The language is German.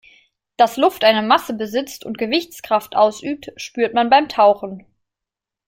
Dass Luft eine Masse besitzt und Gewichtskraft ausübt, spürt man beim Tauchen.